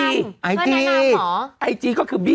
พี่โอ๊คบอกว่าเขินถ้าต้องเป็นเจ้าภาพเนี่ยไม่ไปร่วมงานคนอื่นอะได้